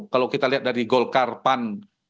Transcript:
kalau kita lihat dari golkar pan